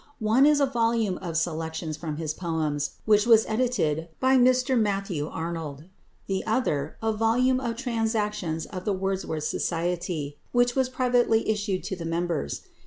One is a volume of selections from his poems, which was edited by Mr Matthew Arnold, the other, a volume of Transactions of the Wordsworth Society, which was privately issued to the members.